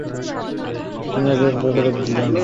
তোর ঘরি কি ফাস্ট চলে?